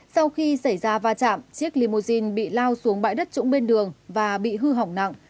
sau khi xảy ra va chạm chiếc limousine bị lao xuống bãi đất trũng bên đường và bị hư hỏng nặng